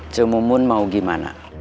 cemumun mau gimana